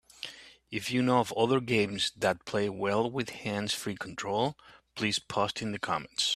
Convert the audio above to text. If you know of other games that play well with hands-free control, please post in the comments.